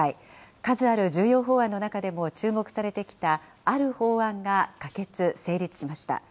数ある重要法案の中でも注目されてきた、ある法案が可決・成立しました。